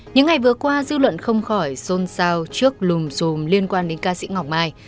những ngày vừa qua dư luận không khỏi xôn xao trước lùm xùm liên quan đến ca sĩ ngọc mai